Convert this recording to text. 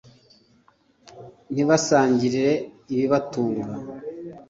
Ntibanasangire ibibatunga.